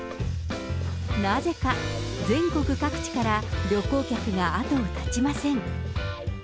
なぜか全国各地から旅行客が後を絶ちません。